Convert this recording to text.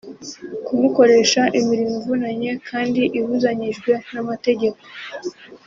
Kumukoresha imirimo ivunanye kandi ibuzanyijwe n’amategeko